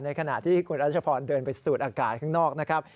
ขณะที่คุณรัชพรเดินไปสูดอากาศข้างนอกนะครับ